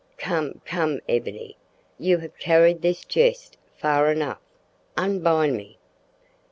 "Come, come, Ebony, you have carried this jest far enough. Unbind me!"